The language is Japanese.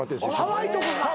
ハワイとかか。